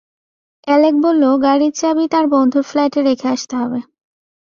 Alec বলল গাড়ির চাবি তার বন্ধুর ফ্ল্যাটে রেখে আসতে হবে।